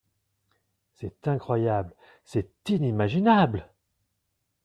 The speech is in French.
C’est incroyable, c’est inimaginable !